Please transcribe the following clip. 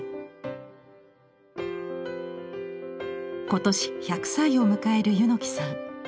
今年１００歳を迎える柚木さん。